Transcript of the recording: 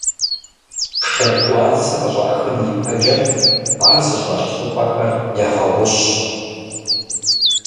Шэдгуарцэ къыщӀахын ипэкӀэ ар зыщӀэлъ щӀыпӀэхэр ягъэгъущ.